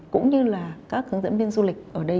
cũng như là các hướng dẫn viên du lịch ở đây